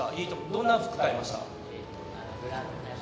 どんな服買いました？